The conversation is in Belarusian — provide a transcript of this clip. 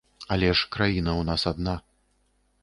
Але ж краіна ў нас адна.